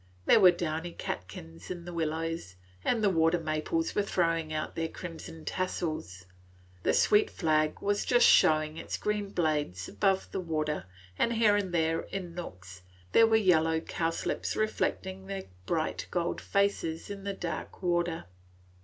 There were downy catkins on the willows, and the water maples were throwing out their crimson tassels. The sweet flag was just showing its green blades above the water, and here and there, in nooks, there were yellow cowslips reflecting their bright gold faces in the dark water.